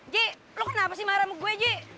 ji lo kenapa sih marah sama gue ji